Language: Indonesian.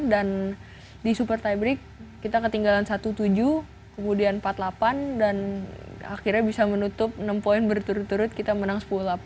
dan di super tiebreak kita ketinggalan satu tujuh kemudian empat delapan dan akhirnya bisa menutup enam poin berturut turut kita menang sepuluh delapan